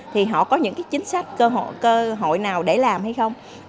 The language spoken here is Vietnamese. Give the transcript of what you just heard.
thì họ có những chính sách cơ hội nào để làm hay không